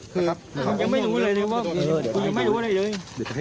กลับได้กันนะพี่